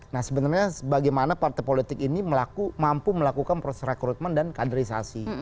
nah sebenarnya bagaimana partai politik ini mampu melakukan proses rekrutmen dan kaderisasi